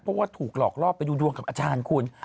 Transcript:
เพราะว่าถูกหลอกลอบไปดูดวงกับอาจารย์คุณ